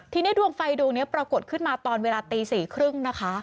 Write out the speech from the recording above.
ทีนี้ดวงไฟดวงนี้ปรากฏขึ้นมาตอนเวลาตี๔๓๐นะคะ